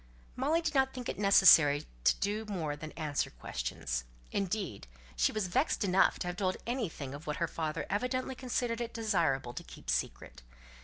Molly did not think it necessary to do more than answer questions; indeed, she was vexed enough to have told anything of what her father evidently considered it desirable to keep secret.